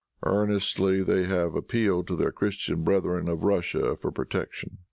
Earnestly have they appealed to their Christian brethren of Russia for protection.